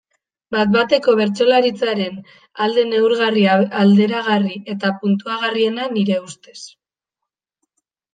Bat-bateko bertsolaritzaren alde neurgarri, alderagarri eta puntuagarriena, nire ustez.